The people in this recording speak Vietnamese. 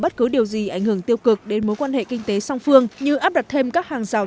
bất cứ điều gì ảnh hưởng tiêu cực đến mối quan hệ kinh tế song phương như áp đặt thêm các hàng rào